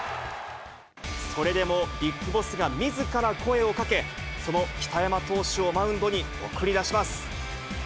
それでもＢＩＧＢＯＳＳがみずから声をかけ、その北山投手をマウンドに送り出します。